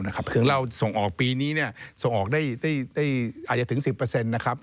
คือเราส่งออกปีนี้ส่งออกได้อาจจะถึง๑๐นะครับ